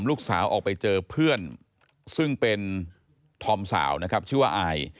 ออกไปเจอเพื่อนซึ่งเป็นธอมสาวนะครับชื่อว่าอาย